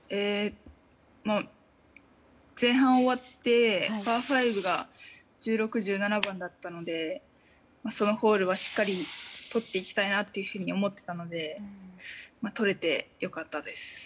前半終わってパー５が１６、１７番だったのでそのホールはしっかりとっていきたいなというふうに思っていたのでとれて良かったです。